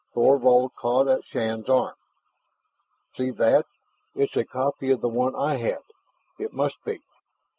Thorvald caught at Shann's arm. "See that! It's a copy of the one I had; it must be!"